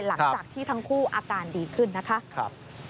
หลังจากที่ทั้งคู่อาการดีขึ้นนะคะ